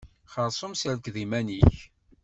Xerṣum serked iman-ik.